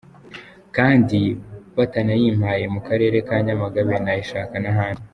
Kandi batanayimpaye mu Karere ka Nyamagabe nayishaka n’ahandi.